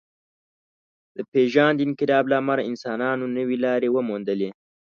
د پېژاند انقلاب له امله انسانانو نوې لارې وموندلې.